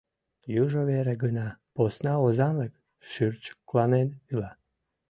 Южо вере гына посна озанлык шӱрчыкланен ила.